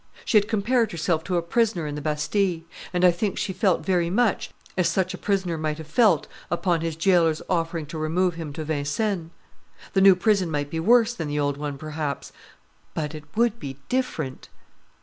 She had compared herself to a prisoner in the Bastille; and I think she felt very much as such a prisoner might have felt upon his gaoler's offering to remove him to Vincennes. The new prison might be worse than the old one, perhaps; but it would be different.